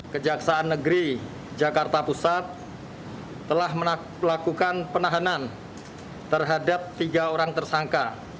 kejaksaan negeri jakarta pusat telah melakukan penahanan terhadap tiga orang tersangka